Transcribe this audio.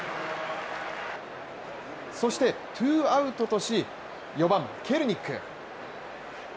そしてツーアウトとし、４番・ケルニック。